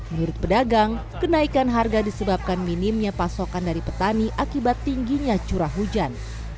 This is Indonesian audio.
menurut pedagang kenaikan harga disebabkan minimnya pasokan dari petani akibat tingginya curah hujan